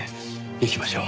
行きましょう。